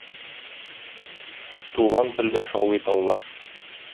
Туган телдә шаулый таллар.